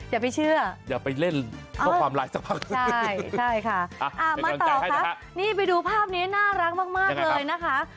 อย่าไปเชื่อใช่ค่ะมาต่อค่ะนี่ไปดูภาพนี้น่ารักมากเลยนะคะ